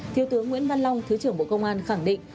thiếu tướng nguyễn văn long thứ trưởng bộ công an khẳng định